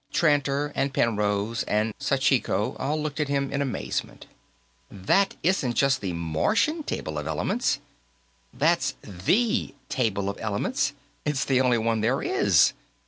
Tranter and Penrose and Sachiko all looked at him in amazement. "That isn't just the Martian table of elements; that's the table of elements. It's the only one there is."